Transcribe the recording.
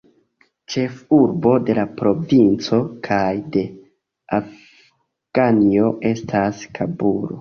Ĉefurbo de la provinco kaj de Afganio estas Kabulo.